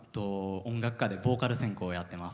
音楽科でボーカル専攻をやっています。